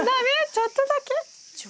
ちょっとだけ？